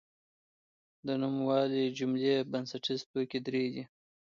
د نوموالي جملې بنسټیز توکي درې دي.